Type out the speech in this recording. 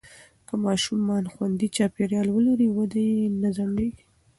که ماشومان خوندي چاپېریال ولري، وده یې نه ځنډېږي.